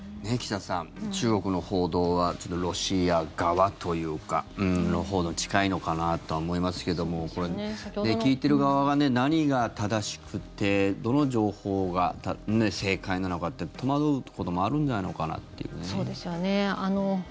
岸田さん、中国の報道はちょっとロシア側というか近いのかなとは思いますけどもこれ、聞いている側は何が正しくてどの情報が正解なのかって戸惑うこともあるんじゃないのかなっていう。